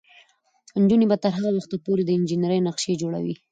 نجونې به تر هغه وخته پورې د انجینرۍ نقشې جوړوي.